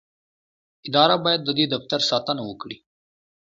اداره باید د دې دفتر ساتنه وکړي.